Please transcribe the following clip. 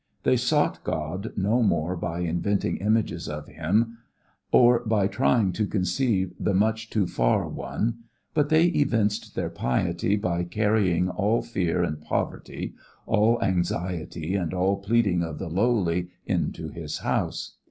They sought God no more by inventing images of Him or by trying to conceive the Much too far One; but they evinced their piety by carrying all fear and poverty, all anxiety and all pleading of the lowly into His house.